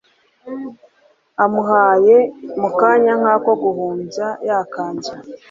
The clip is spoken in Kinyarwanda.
amuhaye mukanya nkako guhumbya yakanzu